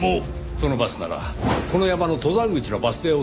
そのバスならこの山の登山口のバス停を通るはずです。